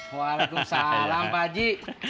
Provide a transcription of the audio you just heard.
waalaikum salam pak aji